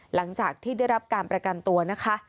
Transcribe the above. หลังจากที่ได้รับการประกันตัวนะคะ